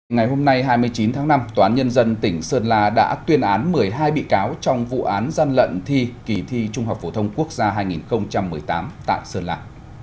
ngày hôm nay hai mươi chín tháng năm tòa án nhân dân tỉnh sơn la đã tuyên án một mươi hai bị cáo trong vụ án gian lận thi kỳ thi trung học phổ thông quốc gia hai nghìn một mươi tám tại sơn la